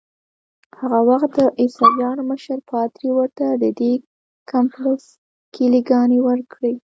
هغه وخت د عیسویانو مشر پادري ورته ددې کمپلیکس کیلې ګانې ورکړې.